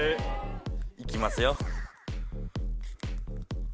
いきますよ！